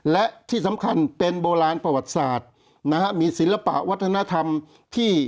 และที่สำคัญเป็นโบราณประวัติศาสตร์นะฮะมีศิลปะวัฒนธรรมที่